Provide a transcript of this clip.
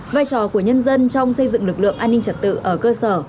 vai trò của nhân dân trong xây dựng lực lượng an ninh trật tự ở cơ sở